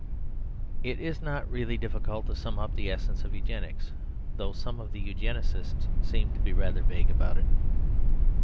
It is not really difficult to sum up the essence of Eugenics: though some of the Eugenists seem to be rather vague about it.